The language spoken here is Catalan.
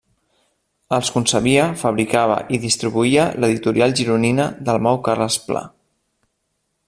Els concebia, fabricava i distribuïa l'editorial gironina Dalmau Carles Pla.